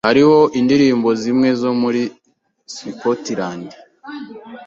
Hariho indirimbo zimwe zo muri Scotland.